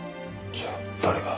じゃあ誰が。